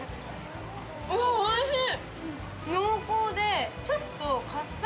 おいしい。